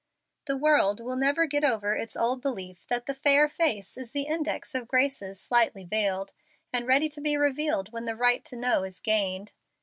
The world will never get over its old belief that the fair face is the index of graces slightly veiled, and ready to be revealed when the right to know is gained.